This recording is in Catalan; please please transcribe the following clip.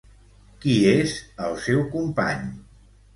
Qui és el seu company?